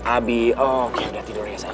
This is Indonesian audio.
abi oh oke udah tidur ya sayang